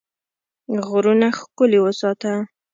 غرونه ښکلي وساته.